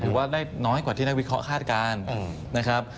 ว่าได้น้อยกว่าที่นักวิเคราะห้าการนะครับ